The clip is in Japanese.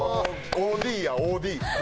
ＯＤやＯＤ。